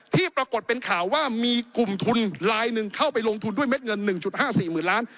ที่ปรากฏเป็นข่าวว่ามีกลุ่มทุนลายหนึ่งเข้าไปลงทุนด้วยเม็ดเงิน๑๕๔๐๐๐ล้าน